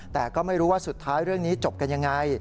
แต่ก็ไม่รู้ว่าสุดท้ายเรื่องนี้จบกันยังไง